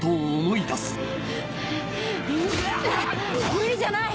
無理じゃない！